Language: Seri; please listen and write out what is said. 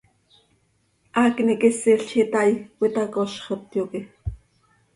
Haacni quisil z itaai, cöitacozxot, yoque.